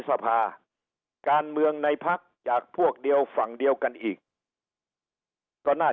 สภาการเมืองในพักจากพวกเดียวฝั่งเดียวกันอีกก็น่า